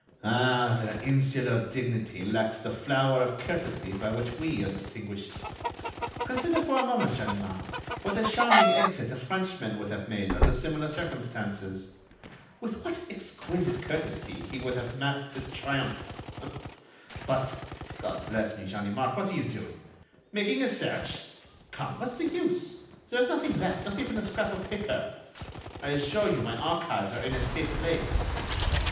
Ah! their insular dignity lacks the flower of courtesy by which we are distinguished. Consider for a moment, Ganimard, what a charming exit a Frenchman would have made under similar circumstances! With what exquisite courtesy he would have masked his triumph!... But, God bless me, Ganimard, what are you doing? Making a search? Come, what's the use? There is nothing left—not even a scrap of paper. I assure you my archives are in a safe place."